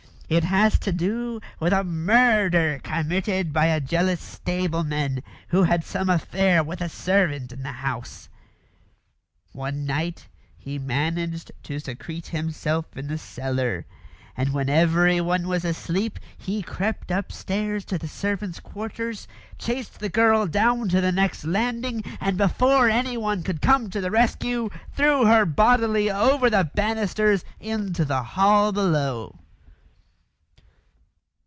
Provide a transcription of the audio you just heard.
It has to do with a murder committed by a jealous stableman who had some affair with a servant in the house. One night he managed to secrete himself in the cellar, and when everyone was asleep, he crept upstairs to the servants' quarters, chased the girl down to the next landing, and before anyone could come to the rescue threw her bodily over the banisters into the hall below."